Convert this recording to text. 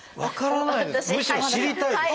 むしろ知りたいです。